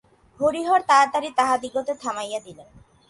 হরিহর তাড়াতাড়ি তাহাদিগকে থামাইয়া দিলেন।